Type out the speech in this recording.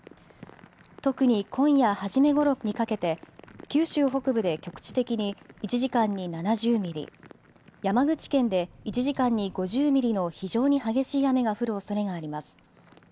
特に今夜初めごろにかけて九州北部で局地的に１時間に７０ミリ、山口県で１時間に５０ミリの非常に激しい雨が降るおそれがあります。